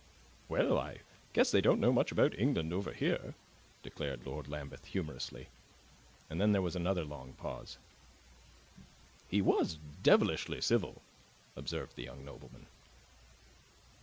"Well, I guess they don't know much about England over here!" declared Lord Lambeth humorously. And then there was another long pause. "He was devilish civil," observed the young nobleman.